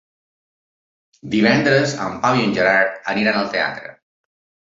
Divendres en Pau i en Gerard aniran al teatre.